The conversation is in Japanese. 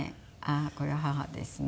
あっこれは母ですね。